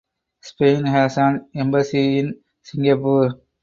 Spain has an embassy in Singapore.